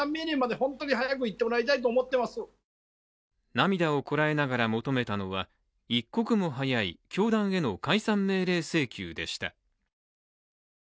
涙をこらえながら求めたのは一刻も早い教団への解散命令請求でした。